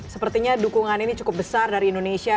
sepertinya dukungan ini cukup besar dari indonesia